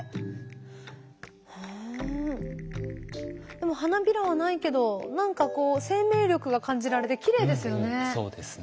でも花びらはないけど何かこう生命力が感じられてきれいですよね。